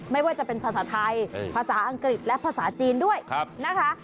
ไม่ว่าจะเป็นภาษาไทยภาษาอังกฤษและภาษาจีนด้วยนะคะ